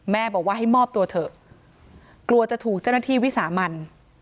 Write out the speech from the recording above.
บอกว่าให้มอบตัวเถอะกลัวจะถูกเจ้าหน้าที่วิสามัน